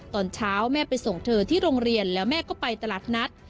ตอนเช้าแม่ไปส่งเธอที่โรงเรียนแล้วแม่ก็ไปตลาดนัด